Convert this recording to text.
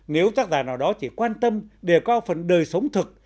nếu tác giả nào đó chỉ quan tâm để coi phần đời sống thực